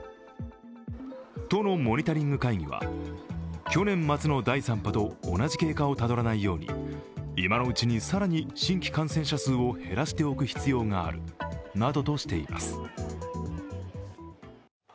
都のモニタリング会議は去年末の第３波と同じ経過をたどらないように今のうちに更に新規感染者数を減らしておく必要があるなどとしています。